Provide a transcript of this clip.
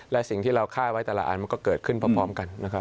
และสิ่งที่เราค่ายไว้แต่ละอันก็เกิดขึ้นพร้อมกัน